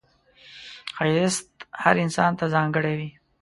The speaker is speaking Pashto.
ښایست هر انسان ته ځانګړی وي